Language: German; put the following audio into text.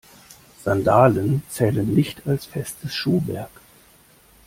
Sandalen zählen nicht als festes Schuhwerk.